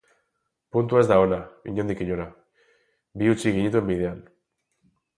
Puntua ez da ona, inondik inora, bi utzi genituen bidean.